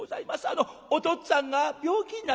あのおとっつぁんが病気になりまして」。